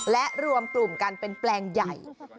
และรวมกลุ่มกันเป็นแปลงใหญ่